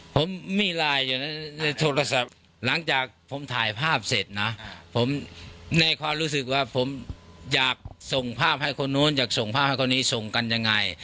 ผมมีไลน์อยู่ในโทรศัพท์หลังจากผมถ่ายภาพเสร็จนะผมในความรู้สึกว่าผมอยากส่งภาพให้คนนู้นอยากส่งภาพให้คนนี้ส่งกันยังไง